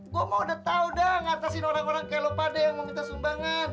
gue mau udah tau dah ngatasin orang orang kayak lo pada yang meminta sumbangan